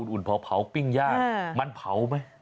อุ่นเผาปิ้งย่างมันเผาไหม